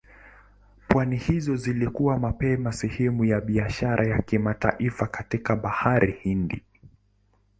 Pwani hizo zilikuwa mapema sehemu ya biashara ya kimataifa katika Bahari Hindi.